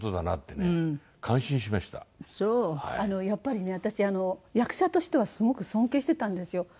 やっぱりね私役者としてはすごく尊敬してたんですよ。